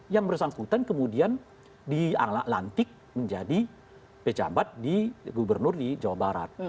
yang bersangkutan kemudian dilantik menjadi pejabat di gubernur di jawa barat